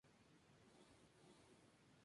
Brisson nació en Fontenay-le-Comte.